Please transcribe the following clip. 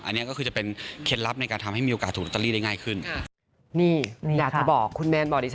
อันนี้ก็คือจะเป็นเคล็ดลับในการทำให้มีโอกาสถูกลอตเตอรี่ได้ง่ายขึ้น